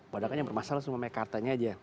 padahal kan yang bermasalah cuma memakai kartanya saja